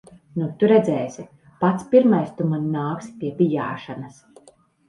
Nu tu redzēsi. Pats pirmais tu man nāksi pie bijāšanas.